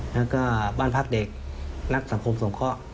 แล้วก็บ้านพักเด็กนักสังคมสงเคราะห์